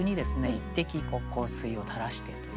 一滴香水を垂らしてと。